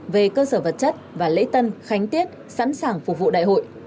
về cơ sở vật chất và lễ tân khánh tiết sẵn sàng phục vụ đại hội